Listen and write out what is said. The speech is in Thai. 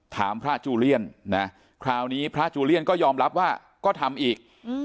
ถามพระจูเลียนนะคราวนี้พระจูเลียนก็ยอมรับว่าก็ทำอีก